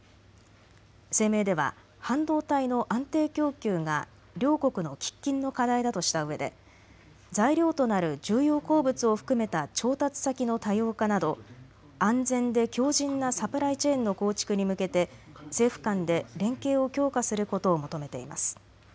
声明では半導体の安定供給が両国の喫緊の課題だとしたうえで材料となる重要鉱物を含めた調達先の多様化など安全で強じんなサプライチェーンの構築に向けて政府間で連携を強化することを求めています。